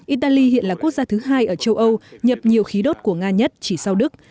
italy hiện là quốc gia thứ hai ở châu âu nhập nhiều khí đốt của nga nhất chỉ sau đức